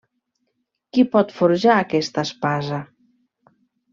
Qui pot forjar aquesta espasa?